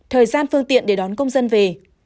thời gian phương tiện để đón công dân về